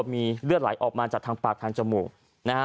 มีเลือดไหลออกมาจากทางปากทางจมูกนะฮะ